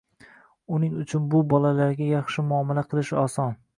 Uning uchun bu bolalarga yaxshi muomala qilish oson